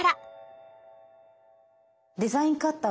デザインカッター